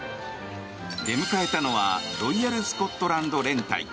出迎えたのはロイヤル・スコットランド連隊。